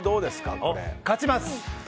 勝ちます。